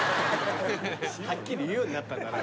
はっきり言うようになったんだね。